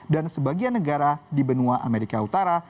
dan sebagian negara di benua amerika utara